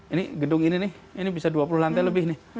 ini gedung ini nih ini bisa dua puluh lantai lebih nih